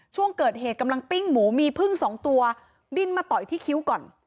ช่วงเกิดเหตุกำลังปิ้งหมูมีพึ่งสองตัวบินมาต่อยที่คิ้วก่อน